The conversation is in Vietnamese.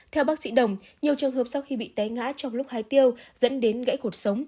theo bác sĩ đồng nhiều trường hợp sau khi bị té ngã trong lúc hai tiêu dẫn đến gãy cuộc sống